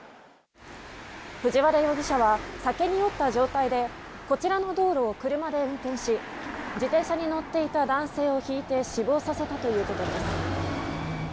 藤原容疑者は酒に酔った状態でこちらの道路を車で運転し自転車に乗っていた男性をひいて死亡させたということです。